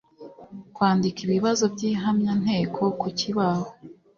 Kwandika ibibazo by’ihamyanteko ku kibaho